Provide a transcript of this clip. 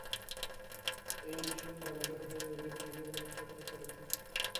এই মিশনে, আমাদের ভাই নিজের জীবন উৎসর্গ করেছেন।